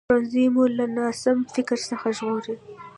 ښوونځی مو له ناسم فکر څخه ژغوري